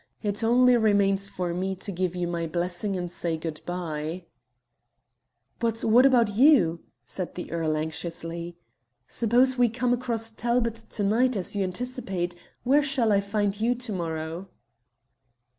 It only remains for me to give you my blessing and say good bye." "But what about you?" said the earl anxiously. "Suppose we come across Talbot to night, as you anticipate, where shall I find you to morrow?"